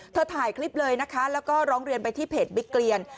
ถ่ายคลิปเลยนะคะแล้วก็ร้องเรียนไปที่เพจบิ๊กเรียน